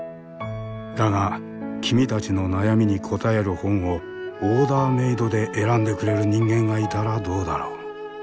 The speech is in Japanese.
だが君たちの悩みに答える本をオーダーメードで選んでくれる人間がいたらどうだろう？